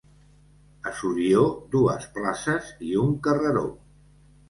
A Sorió, dues places i un carreró.